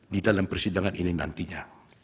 di dalam persidangan ini nantinya